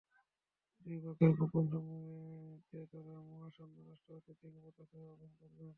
দুই পক্ষের গোপন সম্মতিতে তাঁরা মহামান্য রাষ্ট্রপতির একটি পদেক্ষপ আহ্বান করবেন।